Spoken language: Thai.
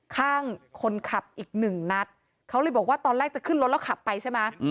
ข้างคนขับอีกหนึ่งนัดเขาเลยบอกว่าตอนแรกจะขึ้นรถแล้วขับไปใช่ไหม